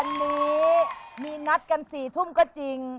วันนี้มีนัดกัน๔ทุ่มก็จริง